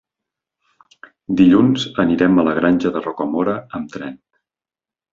Dilluns anirem a la Granja de Rocamora amb tren.